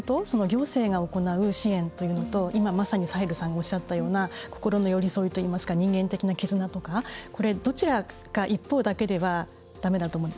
行政が行う支援というのと今まさにサヘルさんがおっしゃったような心の寄り添いといいますか人間的な絆とか、どちらか一方だけでは、だめだと思う。